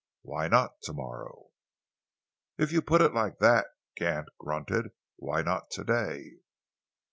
Why not to morrow?" "If you put it like that," Gant grunted, "why not to day?"